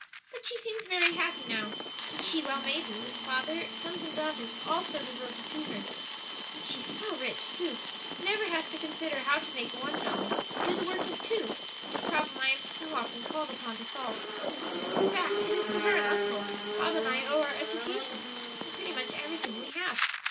But she seems very happy now, and she well may be, with father, sons and daughters all so devoted to her. And she's so rich too; never has to consider how to make one dollar do the work of two; a problem I am so often called upon to solve. In fact, it is to her and uncle, Bob and I owe our education, and pretty much everything we have.